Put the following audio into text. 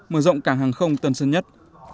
mở rộng cảng hàng không tân sơn nhất